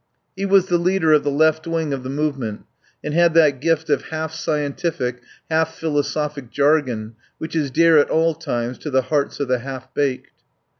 He was the leader of the left wing of the move ment, and had that gift of half scientific, half philosophic jargon which is dear at all times to the hearts of the half baked.